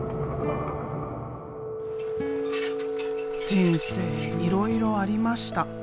人生いろいろありました。